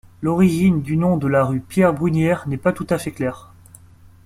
L'origine du nom de la rue Pierre-Brunière n'est pas tout à fait claire.